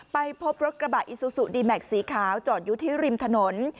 ไปพบรถกระบะอิซูซูดีแม็กซีขาวจอดอยู่ที่ริมถนน